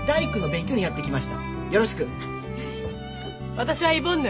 私はイボンヌ。